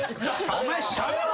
「お前しゃべろ！」